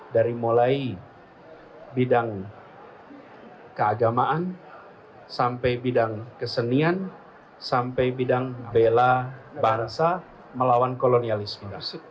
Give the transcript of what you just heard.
dari mulai bidang keagamaan sampai bidang kesenian sampai bidang bela bangsa melawan kolonialisme